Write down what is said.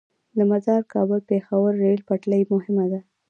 د مزار - کابل - پیښور ریل پټلۍ مهمه ده